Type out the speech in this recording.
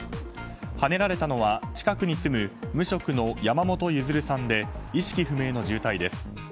はねられたのは、近くに住む無職の山本譲さんで意識不明の重体です。